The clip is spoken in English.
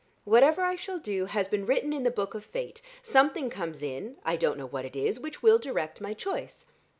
Whatever I shall do, has been written in the Book of Fate; something comes in I don't know what it is which will direct my choice.